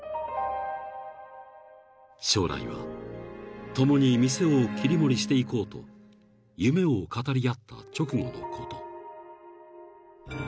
［将来は共に店を切り盛りしていこうと夢を語り合った直後のこと］